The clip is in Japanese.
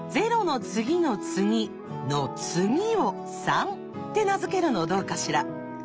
「の次」を「３」って名付けるのどうかしら？